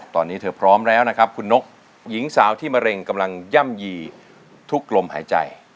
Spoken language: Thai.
ตอนนี้เธอพร้อมแล้วนะครับคุณนกหญิงสาวที่มะเร็งกำลังย่ำยีทุกลมหายใจ